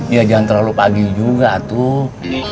ya jangan terlalu pagi juga tuh